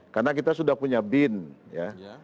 karena kita sudah punya bin ya